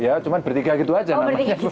ya cuma bertiga gitu aja namanya